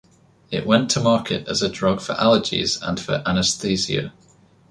It went to market as a drug for allergies and for anesthesia.